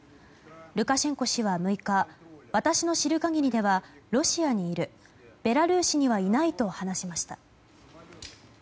ルカシェンコ氏は６日私の知る限りではロシアにいるベラルーシにはいないと話しました。